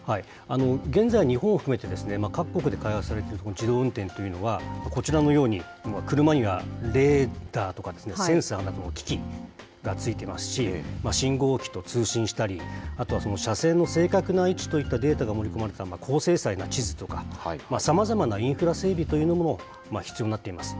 現在、日本を含めて各国で開発されている自動運転というのは、こちらのように、車にはレーダーとかセンサーなどの機器がついていますし、信号機と通信したり、あとは車線の正確な位置といったデータが盛り込まれた高精細な地図とか、さまざまなインフラ整備というものも必要になっています。